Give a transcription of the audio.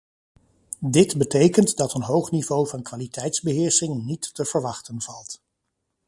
Dit betekent dat een hoog niveau van kwaliteitsbeheersing niet te verwachten valt.